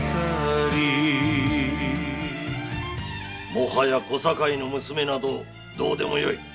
もはや小堺の娘などどうでもよい。